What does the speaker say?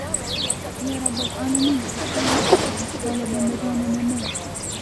یا رب العالمینه ستا نه یې غواړم ستا له بنده ګانو نه.